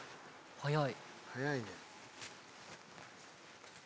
早い。